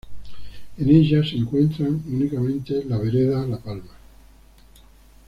En ella se encuentran únicamente la Vereda La Palma.